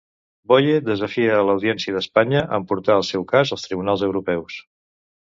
Boye desafia l'Audiència d'Espanya amb portar el seu cas als tribunals europeus.